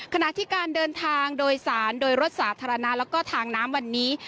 ขณะที่การเดินทางโดยสารโดยรถสาธารณะแล้วก็ทางน้ำวันนี้